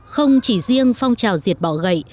không chỉ riêng phong trào diệt bọ gậy